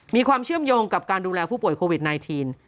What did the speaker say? มีความเชื่อมโยงกับการดูแลผู้ป่วยโควิด๑๙